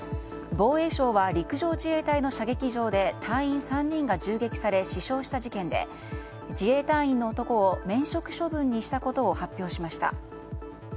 防衛省は、陸上自衛隊の射撃場で隊員３人が銃撃され死傷した事件で自衛隊員の男を免職処分にしたことを発表しました。